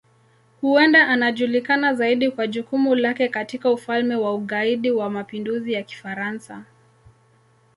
Huenda anajulikana zaidi kwa jukumu lake katika Ufalme wa Ugaidi wa Mapinduzi ya Kifaransa.